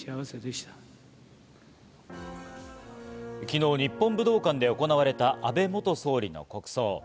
昨日、日本武道館で行われた安倍元総理の国葬。